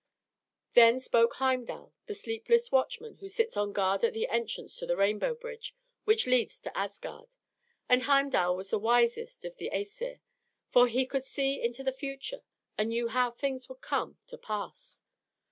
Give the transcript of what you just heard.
Then spoke Heimdal, the sleepless watchman who sits on guard at the entrance to the rainbow bridge which leads to Asgard; and Heimdal was the wisest of the Æsir, for he could see into the future, and knew how things would come to pass.